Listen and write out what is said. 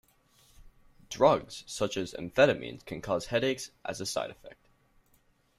Drugs such as amphetamines can cause headaches as a side effect.